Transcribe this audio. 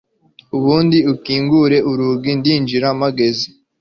Ubundi ukingura urugi ndinjira mpageze